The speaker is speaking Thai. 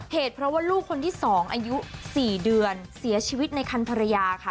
เหตุเพราะว่าลูกคนที่๒อายุ๔เดือนเสียชีวิตในคันภรรยาค่ะ